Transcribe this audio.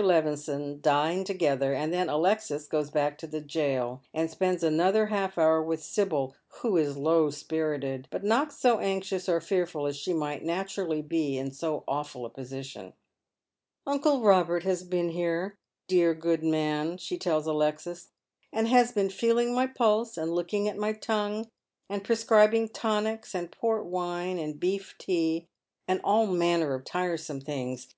Levison dine together, and then Alexis goes back to the jail and spends another half hour with Sibyl, who is low spirited, but not so anxious or fearful as she might naturally be in so awful a position. "Uncle Robert has been here, dear good man," she tells Alexis, " and has been feeling my pulse, and looking at my tongue, and prescribing tonics, and port wine, and beef tea, and all manner of tiresome things.